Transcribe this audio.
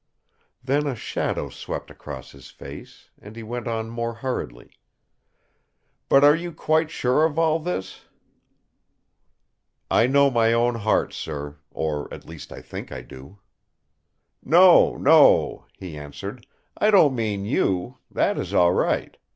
Then a shadow swept across his face; and he went on more hurriedly. "But are you quite sure of all this?" "I know my own heart, sir; or, at least, I think I do!" "No! no!" he answered, "I don't mean you. That is all right!